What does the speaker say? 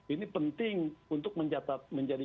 ini penting untuk menjadi